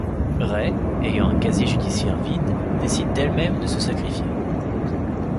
Ray, ayant un casier judiciaire vide décide d'elle-même de se sacrifier.